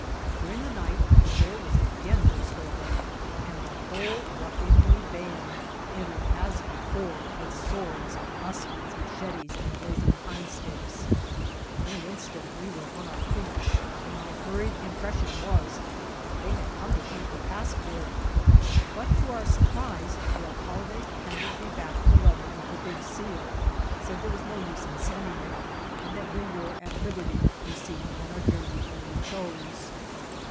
During the night the door was again burst <^n, and the whole ruffianly band entered, as before, with swords, muskets, machetes, and blaadng pine sticks, fn an in stant we were on our feet, and my hurried impression was, that they had come to take the passport ; but, to our surprise, the alcalde handed me back the letter with the big seal, said there was no use in sending it, and that we were at liberty to proceed on our journey wiien we chose..